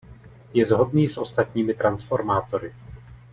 Je shodný s ostatními transformátory.